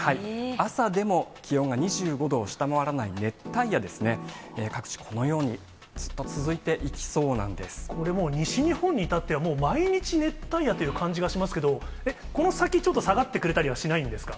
朝でも気温が２５度を下回らない熱帯夜ですね、各地、このように、これもう、西日本に至っては、もう毎日熱帯夜という感じがしますけれども、えっ、この先ちょっと下がってくれたりはしないんですか？